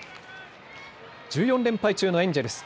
１４連敗中のエンジェルス。